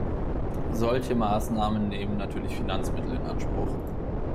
Solche Maßnahmen nehmen natürlich Finanzmittel in Anspruch.